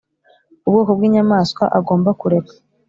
Ubwoko bw inyamaswa agomba kureka